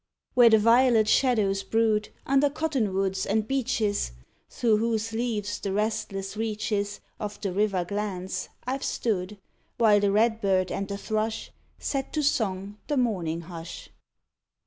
Where the violet shadows brood Under cottonwoods and beeches, Through whose leaves the restless reaches Of the river glance, I've stood, While the red bird and the thrush Set to song the morning hush.